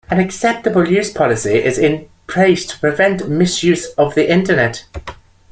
An acceptable use policy is in place to prevent misuse of the Internet.